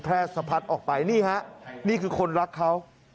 สะพัดออกไปนี่ฮะนี่คือคนรักเขา